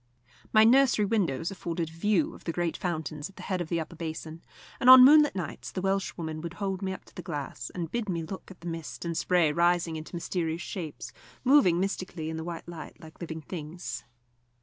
My nursery window afforded a view of the great fountains at the head of the upper basin, and on moonlight nights the Welshwoman would hold me up to the glass, and bid me look at the mist and spray rising into mysterious shapes, moving mystically in the white light like living things.